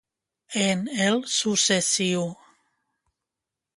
En el successiu.